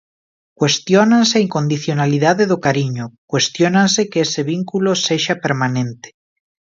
Cuestiónanse a incondicionalidade do cariño, cuestiónanse que ese vínculo sexa permanente.